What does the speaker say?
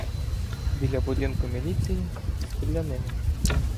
Біля будинку міліції — стрілянина.